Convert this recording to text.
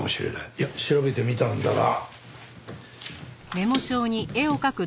いや調べてみたんだが。